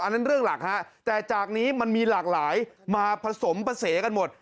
นั่นเรื่องหลักฮะแต่จากนี้มันมีหลากหลายมาผสมภาษีกันหมด